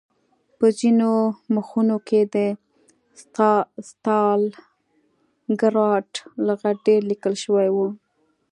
په ځینو مخونو کې د ستالنګراډ لغت ډېر لیکل شوی و